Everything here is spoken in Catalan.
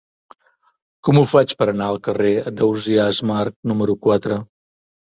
Com ho faig per anar al carrer d'Ausiàs Marc número quatre?